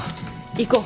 行こう。